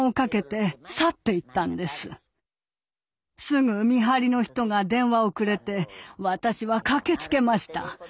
すぐ見張りの人が電話をくれて私は駆けつけました。